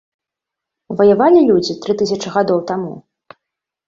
Ваявалі людзі тры тысячы гадоў таму?